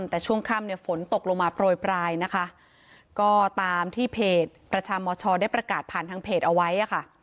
แต่ช่วงค่ำเนี่ยฝนตกลงมาโปรยปลายนะคะก็ตามที่เพจประชามชได้ประกาศผ่านทางเพจเอาไว้อะค่ะ